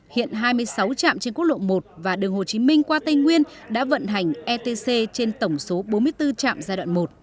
hiện hai mươi sáu trạm trên quốc lộ một và đường hồ chí minh qua tây nguyên đã vận hành etc trên tổng số bốn mươi bốn trạm giai đoạn một